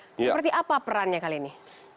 seperti apa perannya kali ini